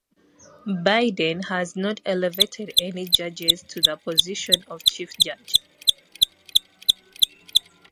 Biden has not elevated any judges to the position of Chief Judge.